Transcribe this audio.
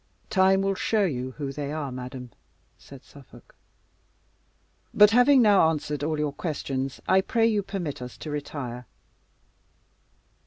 "Time will show you who they are, madam," said Suffolk. "But having now answered all your questions, I pray you permit us to retire."